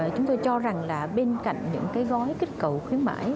chúng tôi cho rằng là bên cạnh những cái gói kích cầu khuyến mãi